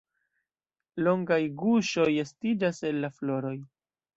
Longaj guŝoj estiĝas el la floroj.